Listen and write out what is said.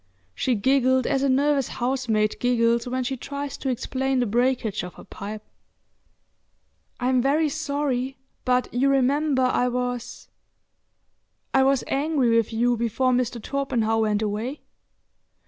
She giggled as a nervous housemaid giggles when she tries to explain the breakage of a pipe. "I'm very sorry, but you remember I was—I was angry with you before Mr. Torpenhow went away?"